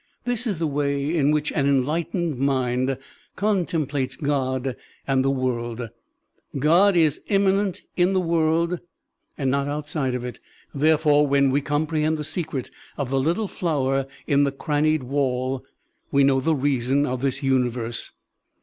This is the way in which an enlightened mind contemplates God and the world. God is immanent in the world and not outside of it; therefore, when we comprehend the secret of the "little flower in the crannied wall/* we Digitized by Google THE GOD CONCEPTION OF BUDDHISM 3I: know the reason of this tuiiverse.